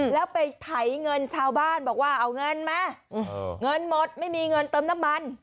แล้วไปไถเงินชาวบ้านบอกว่าเอาเงินมาเงินหมดไม่มีเงินเติมน้ำมัน